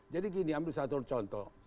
jadi gini ambil satu contoh